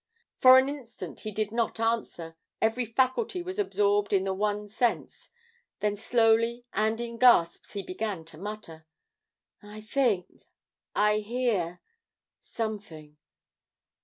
For an instant he did not answer; every faculty was absorbed in the one sense; then slowly and in gasps he began to mutter: "I think I hear something.